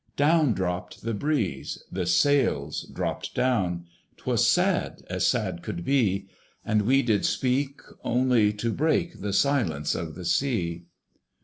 Down dropt the breeze, the sails dropt down, 'Twas sad as sad could be; And we did speak only to break The silence of the sea!